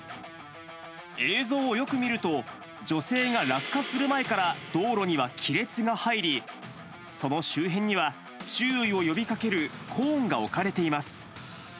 映像をよく見ると、女性が落下する前から道路には亀裂が入り、その周辺には注意を呼びかけるコーンが置かれています。